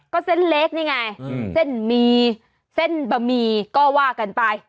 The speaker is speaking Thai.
ก็เส้นเล็กนี่ไงเส้นหมี่เส้นบะหมี่ก็ว่ากันไป